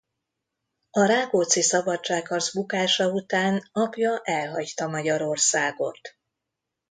A Rákóczi-szabadságharc bukása után apja elhagyta Magyarországot.